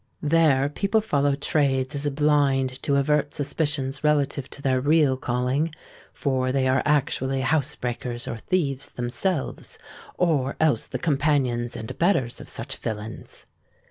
There people follow trades as a blind to avert suspicions relative to their real calling: for they are actually housebreakers or thieves themselves, or else the companions and abettors of such villains.